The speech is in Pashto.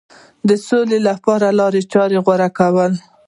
د سولې لپاره لارې چارې غوره کول.